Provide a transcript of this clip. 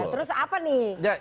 terus apa nih